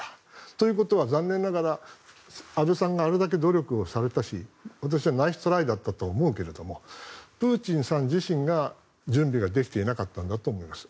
ということは残念ながら安倍さんがあれだけ努力されたり私はナイストライだったと思うけどプーチンさん自身が準備ができてなかったんだと思います。